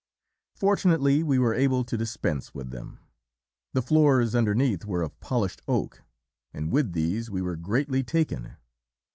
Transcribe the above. Fortunately, we were able to dispense with them. The floors underneath were of polished oak, and with these we were greatly taken.